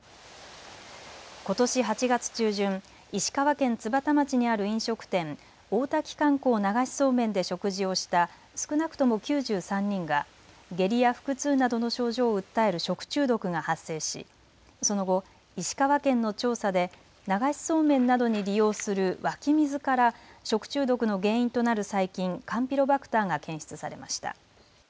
ことし８月中旬、石川県津幡町にある飲食店、大滝観光流しそうめんで食事をした少なくとも９３人が下痢や腹痛などの症状を訴える食中毒が発生し、その後、石川県の調査で流しそうめんなどに利用する湧き水から食中毒の原因となる細菌、カンピロバクターが検出されました。